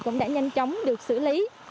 cũng đã nhanh chóng được xử lý